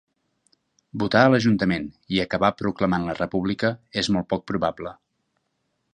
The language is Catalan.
Votar a l'Ajuntament i acabar proclamant la República és molt poc probable.